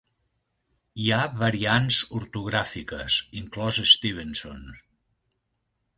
Hi ha variants ortogràfiques, inclòs Stevenson.